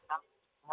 itu yang juga